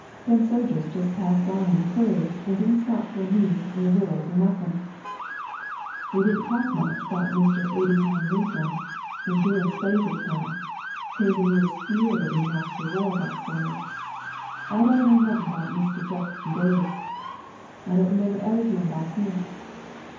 Them sojers jus' passed on in a hurry and didn' stop for a meal or vittles or nuffin'. We didn't talk much 'bout Mr. Abbieham Lincum endurin' slavery time kazen we was skeered of him atter the war got started. I don't know nothin' 'bout Mr. Jef'son Davis, I don't remember ever hearin' 'bout him.